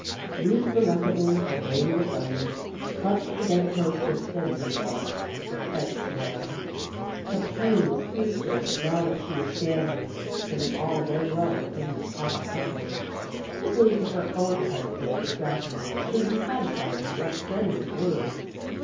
Ruth reluctantly obeying the summons, clutched the bed post to steady herself. Her head swam. The pain was fiercer, now that she was standing. It was all very well for Peggy to talk of hustling. Probably if her own head ached distractingly she would be satisfied with a less strenuous word.